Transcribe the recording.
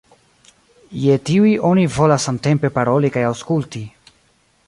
Je tiuj oni volas samtempe paroli kaj aŭskulti.